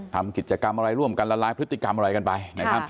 ทำกิจกรรมอะไรร่วมกันละลายพฤติกรรมอะไรกันไปนะครับ